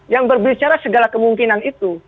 yang berbicara segala kemungkinan itu